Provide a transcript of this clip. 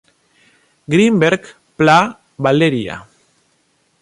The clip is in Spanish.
Grinberg Pla, Valeria.